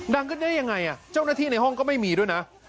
ขึ้นได้ยังไงเจ้าหน้าที่ในห้องก็ไม่มีด้วยนะ